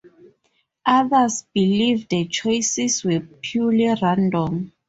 Others believe the choices were purely random.